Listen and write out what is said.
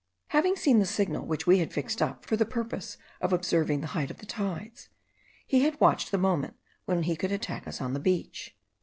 Having seen the signal which we had fixed up for the purpose of observing the height of the tides, he had watched the moment when he could attack us on the beach.